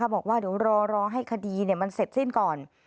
บอกว่าเดี๋ยวรอให้คดีมันเสร็จสิ้นก่อน